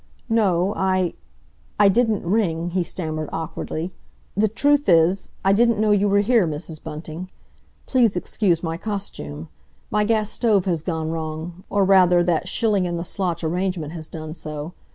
"No, I—I didn't ring," he stammered awkwardly. "The truth is, I didn't know you were here, Mrs. Bunting. Please excuse my costume. My gas stove has gone wrong, or, rather, that shilling in the slot arrangement has done so.